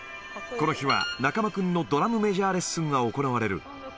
この日は中間君のドラムメジャーレッスンが行われる。